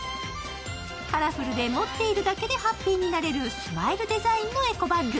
カラフルで持っているだけでハッピーになれるスマイルデザインのエコバッグ。